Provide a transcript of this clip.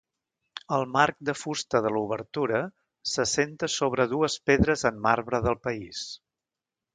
El marc de fusta de l'obertura s'assenta sobre dues pedres en marbre del país.